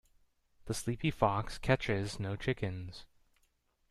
The sleepy fox catches no chickens.